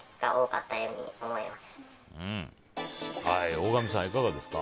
大神さん、いかがですか？